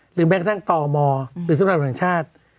แม้กระทั่งตมหรือสำหรับแห่งชาติ